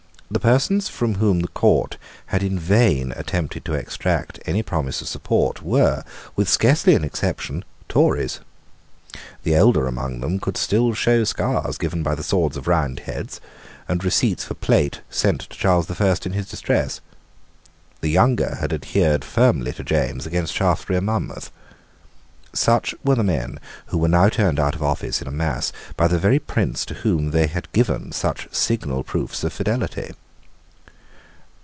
The persons from whom the court had in vain attempted to extract any promise of support were, with scarcely an exception, Tories. The elder among them could still show scars given by the swords of Roundheads, and receipts for plate sent to Charles the First in his distress. The younger had adhered firmly to James against Shaftesury and Monmouth. Such were the men who were now turned out of office in a mass by the very prince to whom they had given such signal proofs of fidelity.